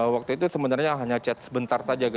waktu itu sebenarnya hanya chat sebentar saja